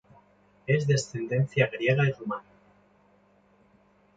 Es de ascendencia griega y rumana.